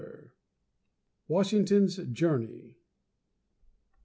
LII. WASHINGTON'S JOURNEY.